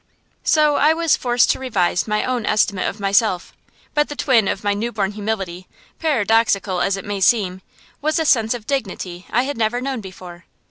So I was forced to revise my own estimate of myself. But the twin of my new born humility, paradoxical as it may seem, was a sense of dignity I had never known before.